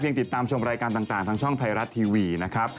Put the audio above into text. ยังติดตามชมรายการต่างทางช่องไทยรัฐทีวีนะครับ